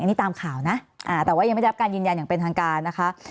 อันนี้ตามข่าวนะแต่ว่ายังไม่ได้รับการยืนยันอย่างเป็นทางการนะคะ